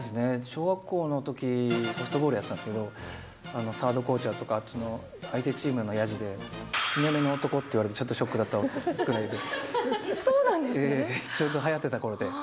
小学校のとき、ソフトボールやってたんですけど、サードコーチっていうか、あっちの相手チームのヤジで、キツネ目の男って言われてちょっとショックだったくらいで。